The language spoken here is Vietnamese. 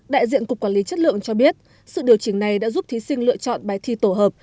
đại diện cục quản lý chất lượng cho biết sự điều chỉnh này đã giúp thí sinh lựa chọn bài thi tổ hợp